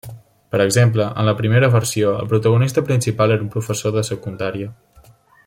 Per exemple, en la primera versió, el protagonista principal era un professor de secundària.